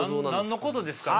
何のことですかね？